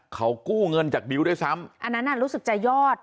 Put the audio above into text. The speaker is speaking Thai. เขากู้เงินจากดิวด้วยซ้ำอันนั้นอ่ะรู้สึกจะยอด